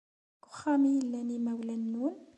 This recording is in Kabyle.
Deg uxxam ay llan yimawlan-nwen?